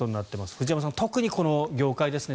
藤山さん、特にこの業界ですね。